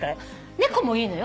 猫もいいのよ。